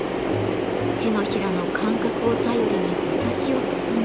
手のひらの感覚を頼りに穂先を整えていく。